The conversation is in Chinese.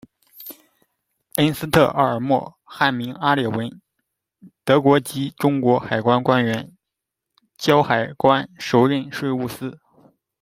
恩斯特·奥尔默，汉名阿理文，德国籍中国海关官员、胶海关首任税务司。